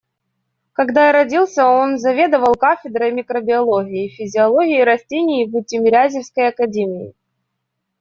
Когда я родился, он заведовал кафедрой микробиологии и физиологии растений в Тимирязевской академии.